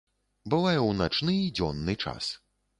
Бывае ў начны і дзённы час.